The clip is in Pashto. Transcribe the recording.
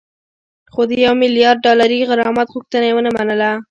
خو د یو میلیارد ډالري غرامت غوښتنه یې ونه منله